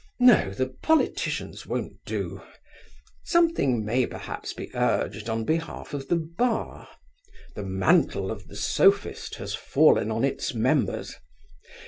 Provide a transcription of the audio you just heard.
No, the politicians won't do. Something may, perhaps, be urged on behalf of the Bar. The mantle of the Sophist has fallen on its members.